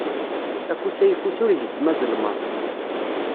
Afus ayeffus ur igezzem azelmaḍ.